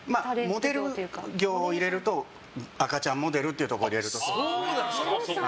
モデル業を入れると赤ちゃんモデルというところを入れるとそうですね。